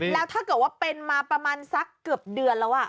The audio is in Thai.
แล้วถ้าเกิดว่าเป็นมาประมาณสักเกือบเดือนแล้ว